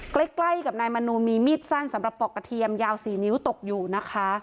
ใกล้กับนายมนูลมีมีดสั้นสำหรับปอกกระเทียมยาว๔นิ้วตกอยู่นะคะ